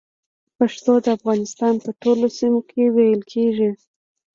پښتو د افغانستان په ټولو سيمو کې ویل کېږي